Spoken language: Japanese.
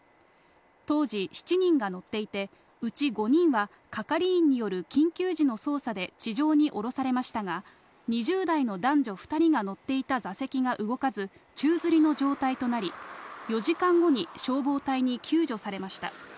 当時、７人が乗っていて、うち５人は係員による緊急時の操作で地上に降ろされましたが、２０代の男女２人が乗っていた座席が動かず、宙吊りの状態となり、４時間後に消防隊に救助されました。